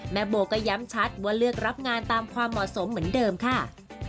โบก็ย้ำชัดว่าเลือกรับงานตามความเหมาะสมเหมือนเดิมค่ะ